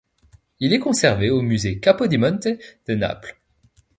Il est conservé au Musée Capodimonte de Naples.